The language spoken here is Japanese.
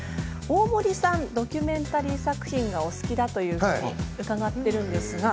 大森さん、ドキュメンタリー作品がお好きだと伺っているんです。